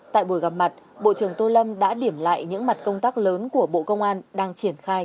tại buổi gặp mặt bộ trưởng tô lâm đã điểm lại những mặt công tác lớn của bộ công an đang triển khai